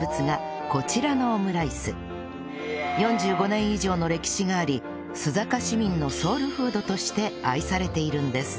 ４５年以上の歴史があり須坂市民のソウルフードとして愛されているんです